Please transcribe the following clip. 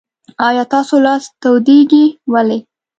آیا ستاسو لاس تودیږي؟ ولې؟